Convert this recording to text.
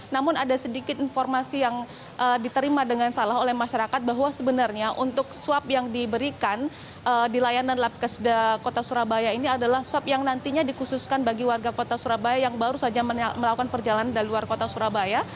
namun ada sedikit informasi yang diterima dengan salah oleh masyarakat bahwa sebenarnya untuk swab yang diberikan di layanan labkesda kota surabaya ini adalah swab yang nantinya dikhususkan bagi warga kota surabaya yang baru saja melakukan perjalanan dari luar kota surabaya